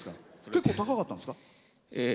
結構高かったんですか？